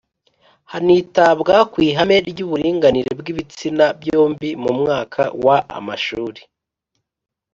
hanitabwa ku ihame ry uburinganire bw ibitsina byombi Mu mwaka wa amashuri